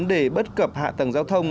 giải quyết vấn đề bất cập hạ tầng giao thông